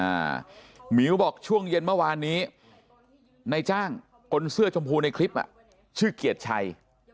หมิวบอกช่วงเย็นเมื่อวานนี้ในจ้างคนเสื้อชมพูในคลิปอ่ะชื่อเกียรติชัย